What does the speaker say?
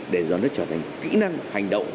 để cho nó trở thành kỹ năng hành động